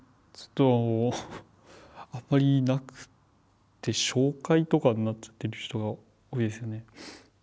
ちょっとあんまりなくって紹介とかになっちゃってる人が多いですね。